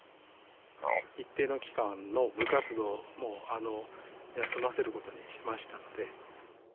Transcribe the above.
一定の期間の部活動を休ませることにしましたので。